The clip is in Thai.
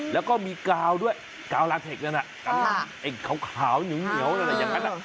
แล้วก็มีกาวด้วยกาวลาเทคนั้นไอ้ขาวเหนียวอะไรอย่างนั้น